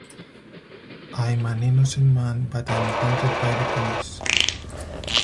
I’m an innocent man, but I’m wanted by the police.